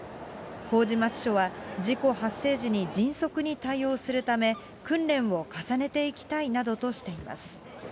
麹町署は、事故発生時に迅速に対応するため、訓練を重ねていきたいなどとしています。